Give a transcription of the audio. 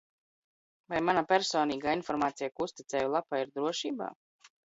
Vai mana personīgā informācija, ko uzticēju lapai, ir drošībā?